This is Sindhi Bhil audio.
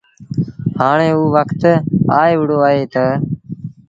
هآڻي اوٚ وکت آئي وهُڙو اهي تا